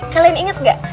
kalian inget nggak